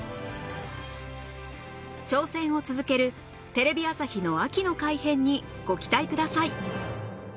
挑戦を続けるテレビ朝日の秋の改編にご期待ください